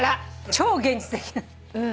超現実的な。